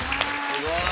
すごい。